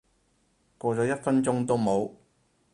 過咗一分鐘都冇